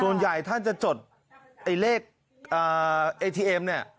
ส่วนใหญ่ท่านจะจดไอ้เลขเอทีเอ็มเนี่ย